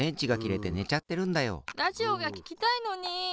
ラジオがききたいのに。